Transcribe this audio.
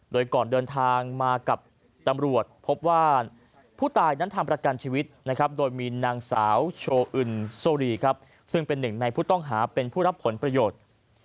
โดยก่อนเดินทางมากับตำรวจพบว่าผู้ตายนั้นทำประกันชีวิตนะครับโดยมีนางสาวโชว์อึนโซรีครับซึ่งเป็นหนึ่งในผู้ต้องหาเป็นผู้รับผลประโยชน์